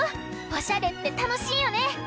おしゃれってたのしいよね。